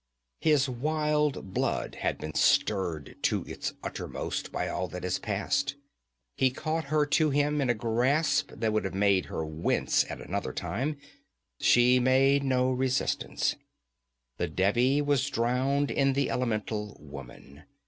His wild blood had been stirred to its uttermost by all that had passed. He caught her to him in a grasp that would have made her wince at another time, and crushed her lips with his. She made no resistance; the Devi was drowned in the elemental woman.